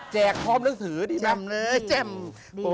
แจกคลอมหนังสือดีมาก